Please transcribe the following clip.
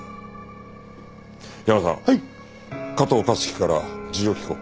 ヤマさん加藤香月から事情を聴こう。